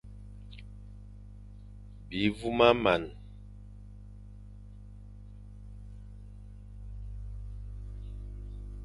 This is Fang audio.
Bi voumane.